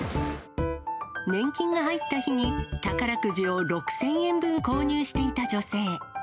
年金が入った日に、宝くじを６０００円分購入していた女性。